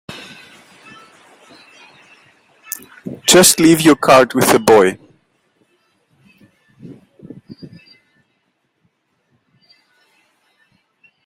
Just leave your card with the boy.